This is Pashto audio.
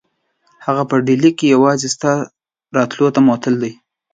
هغه په ډهلي کې یوازې ستا راتلو ته معطل دی.